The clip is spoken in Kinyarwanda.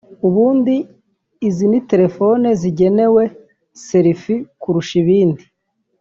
ubundi izi ni telefoni zigenewe selfie kurusha ibindi